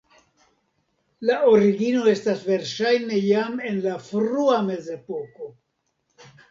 La origino estas verŝajne jam en la frua mezepoko.